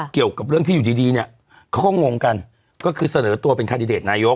เกี่ยวกับเรื่องที่อยู่ดีเนี่ยเขาก็งงกันก็คือเสนอตัวเป็นคาดิเดตนายก